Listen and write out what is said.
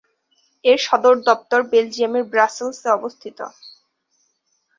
এর সদর দপ্তর বেলজিয়ামের ব্রাসেলসে অবস্থিত।